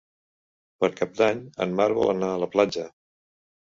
Per Cap d'Any en Marc vol anar a la platja.